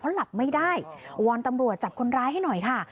หลับไม่ได้วอนตำรวจจับคนร้ายให้หน่อยค่ะ